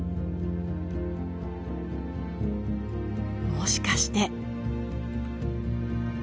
もしかして。